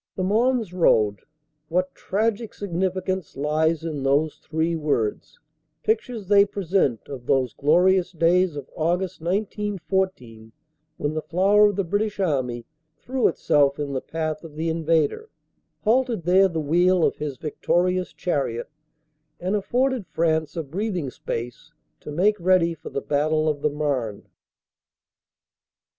The Mons Road! What tragic significance lies in those three words! Pictures they present of those glorious days of August, 1914, when the flower of the British Army threw itself in the path of the invader, halted there the wheel of his victorious chariot, and afforded France a breathing space to make ready for the Battle of the Marne.